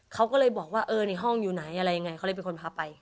เขาก็เลยบอกว่าเออในห้องอยู่ไหนอะไรยังไงเขาเลยเป็นคนพาไป